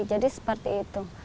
ya seperti itu